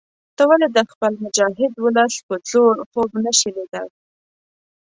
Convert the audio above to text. ته ولې د خپل مجاهد ولس په زور خوب نه شې لیدلای.